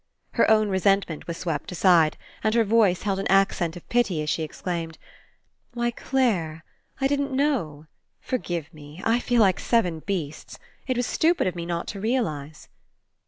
Her own resentment was swept aside and her voice held an accent of pity as she ex claimed: "Why, Clare! I didn't know. For give me. I feel like seven beasts. It was stupid of me not to realize."